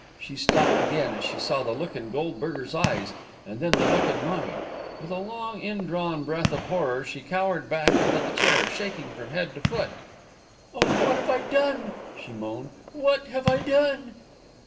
She stopped again, as she saw the look in Goldberger's eyes, and then the look in mine. With a long, indrawn breath of horror, she cowered back into the chair, shaking from head to foot. "Oh, what have I done!" she moaned. "What have I done?"